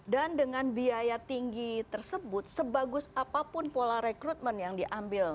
dan dengan biaya tinggi tersebut sebagus apapun pola rekrutmen yang diambil